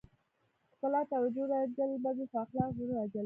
ښکلا توجه راجلبوي خو اخلاق زړه راجلبوي.